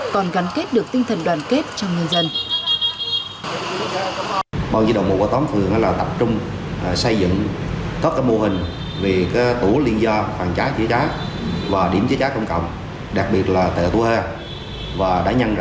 còn gắn kết được tinh thần đoàn kết trong nhân dân